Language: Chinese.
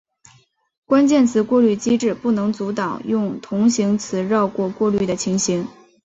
关键词过滤机制不能阻挡用同形词绕过过滤的情形。